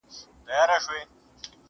هغه چي ګرځی سوداګر دی په ونه غولیږی٫